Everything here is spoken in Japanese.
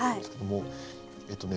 えっとね。